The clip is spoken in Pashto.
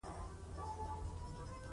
د کمپیوټر جوړونکي خپل سوک په میز وواهه